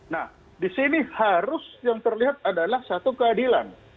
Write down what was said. nah di sini harus yang terlihat adalah satu keadilan